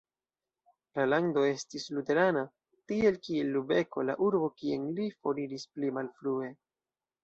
La lando estis luterana, tiel kiel Lubeko, la urbo kien li foriris pli malfrue.